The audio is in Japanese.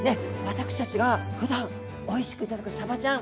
私たちがふだんおいしくいただくさばちゃん。